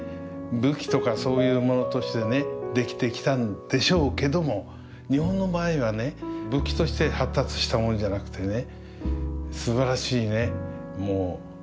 武器とかそういうものとしてね出来てきたんでしょうけども日本の場合はね武器として発達したものじゃなくてね